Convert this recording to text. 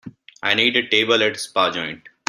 I need a table at spa joint